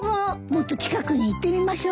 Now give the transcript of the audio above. もっと近くに行ってみましょうよ。